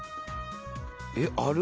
えっある？